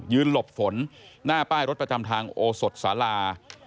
หลบฝนหน้าป้ายรถประจำทางโอสดสารา